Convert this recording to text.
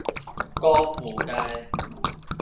歌賦街